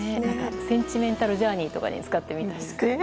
センチメンタルジャーニーとかに使ってみたいですね。